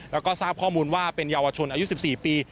แล้วก็ทราบข้อมูลว่าเป็นเยาวชนอายุ๑๔ปี